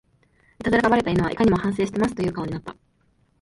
イタズラがバレた犬はいかにも反省してますという顔になった